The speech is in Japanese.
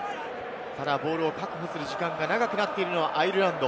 ボールを確保する時間が長くなっているのはアイルランド。